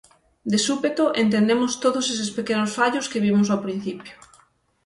De súpeto entendemos todos eses pequenos fallos que vimos ao principio.